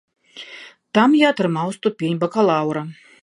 Там я атрымаў ступень бакалаўра.